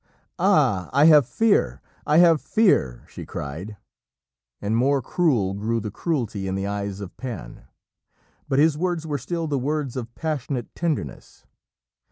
"Ah! I have Fear! I have Fear!" she cried, and more cruel grew the cruelty in the eyes of Pan, but his words were still the words of passionate tenderness.